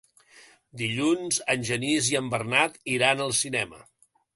Dilluns en Genís i en Bernat iran al cinema.